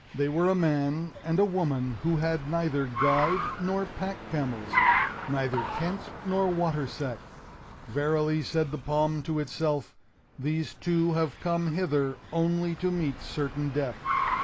They were a man and a woman who had neither guide nor pack camels; neither tent nor water sack. "Verily," said the palm to itself, "these two have come hither only to meet certain death."